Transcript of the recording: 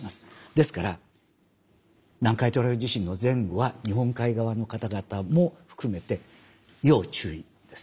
ですから南海トラフ地震の前後は日本海側の方々も含めて要注意です。